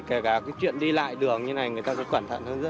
kể cả cái chuyện đi lại đường như này người ta cũng cẩn thận hơn rất là nhiều